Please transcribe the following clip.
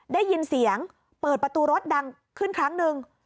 ได้ยินเสียงเปิดประตูรถดังขึ้นครั้งหนึ่ง